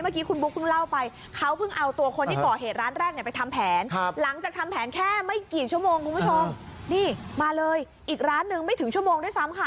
คุณผู้ชมนี่มาเลยอีกร้านหนึ่งไม่ถึงชั่วโมงด้วยซ้ำค่ะ